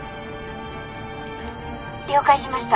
「了解しました。